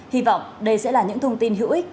hy vọng đây sẽ là những thông tin hữu ích